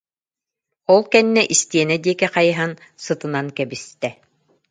Ол кэннэ истиэнэ диэки хайыһан сытынан кэбистэ